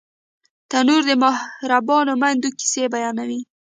تنور د مهربانو میندو کیسې بیانوي